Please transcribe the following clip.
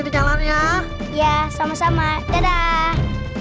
di jalan ya ya sama sama dadah